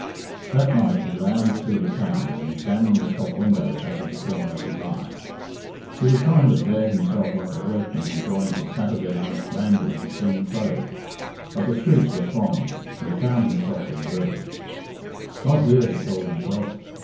That night he lounged through the town and examined the shop windows out of the corner of his eye. He was trying to bear himself like a workman enjoying his Saturday night's ramble in clean clothes, but the streets were thronged, and he found himself observed. "Not here," he told himself.